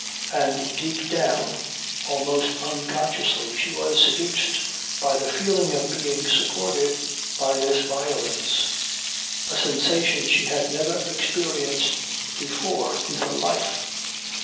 And deep down, almost unconsciously she was seduced by the feeling of being supported by this violence. A sensation she had never experienced before in her life.